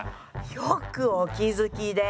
よくお気付きで！